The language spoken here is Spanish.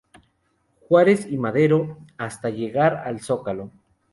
Juárez y Madero, hasta llegar al Zócalo.